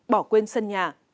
bỏ quên sân nhà